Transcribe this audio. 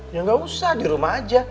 ya ga usah dirumah aja